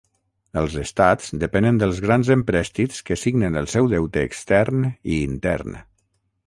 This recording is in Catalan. Els estats depenen dels grans emprèstits que signen el seu deute extern i intern.